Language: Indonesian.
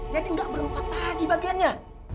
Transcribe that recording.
jadi gak berempat lagi bagiannya